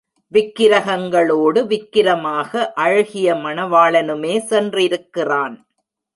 விக்கிரகங்களோடு விக்கிரமாக அழகிய மணவாளனுமே சென்றிருக்கிறான்.